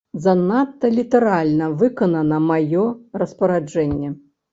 Занадта літаральна выканана маё распараджэнне.